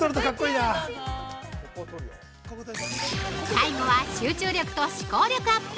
◆最後は集中力と思考力アップ！